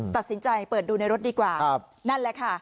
ตัดสินใจเปิดดูในรถดีกว่านั่นแหละค่ะ